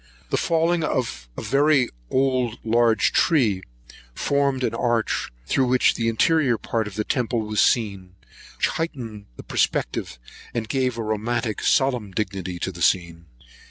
The falling of a very large old tree, formed an arch, through which the interior part of the temple was seen, which heightened the perspective, and gave a romantic solemn dignity to the scene.